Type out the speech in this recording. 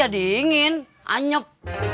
lo udah langsung